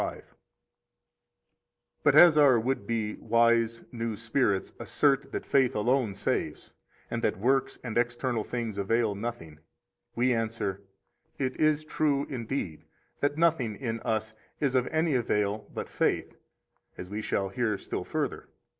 28 But as our would be wise, new spirits assert that faith alone saves, and that works and external things avail nothing, we answer: It is true, indeed, that nothing in us is of any avail but faith, as we shall hear still further.